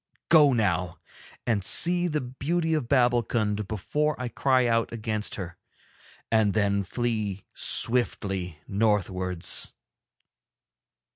Go now and see the beauty of Babbulkund before I cry out against her, and then flee swiftly northwards.'